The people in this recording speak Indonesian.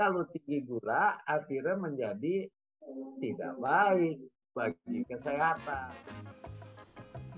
kalau tinggi gula akhirnya menjadi tidak baik bagi kesehatan